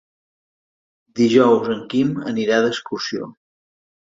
Dijous en Quim anirà d'excursió.